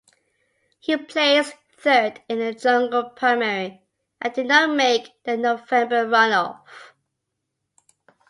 He placed third in the jungle primary and did not make the November runoff.